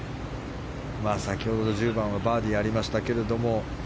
先ほど、１０番ではバーディーがありましたけども。